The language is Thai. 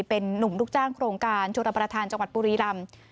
เป็นนุ่มลูกจ้างโครงการชนประธานจังหวัดบุรีรำ